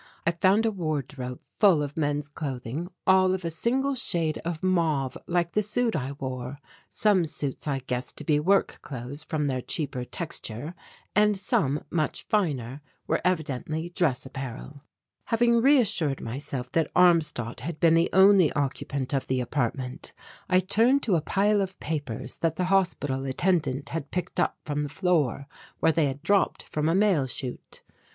I found a wardrobe full of men's clothing, all of a single shade of mauve like the suit I wore. Some suits I guessed to be work clothes from their cheaper texture and some, much finer, were evidently dress apparel. Having reassured myself that Armstadt had been the only occupant of the apartment, I turned to a pile of papers that the hospital attendant had picked up from the floor where they had dropped from a mail chute.